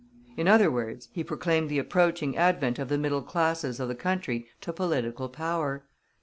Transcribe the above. In other words, he proclaimed the approaching advent of the middle classes of the country to political power.